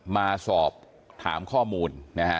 มาสอบถามข้อมูล